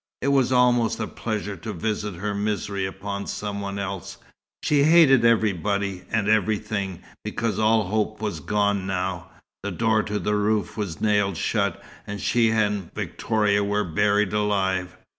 It was almost a pleasure to visit her misery upon some one else. She hated everybody and everything, because all hope was gone now. The door to the roof was nailed shut; and she and Victoria were buried alive.